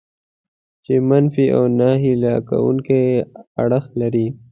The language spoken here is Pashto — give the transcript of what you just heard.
چې منفي او ناهیله کوونکي اړخ لري.